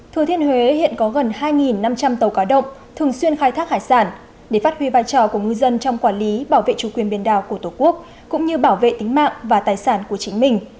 thừa thiên huế hiện có gần hai năm trăm linh tàu cá động thường xuyên khai thác hải sản để phát huy vai trò của ngư dân trong quản lý bảo vệ chủ quyền biển đảo của tổ quốc cũng như bảo vệ tính mạng và tài sản của chính mình